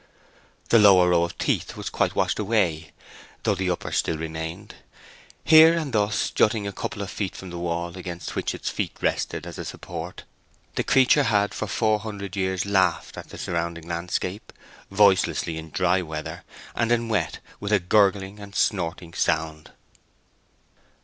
The lower row of teeth was quite washed away, though the upper still remained. Here and thus, jutting a couple of feet from the wall against which its feet rested as a support, the creature had for four hundred years laughed at the surrounding landscape, voicelessly in dry weather, and in wet with a gurgling and snorting sound.